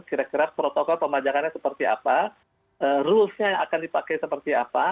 kira kira protokol pemajakannya seperti apa rulesnya yang akan dipakai seperti apa